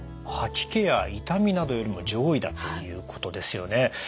吐き気や痛みなどよりも上位だということですよね。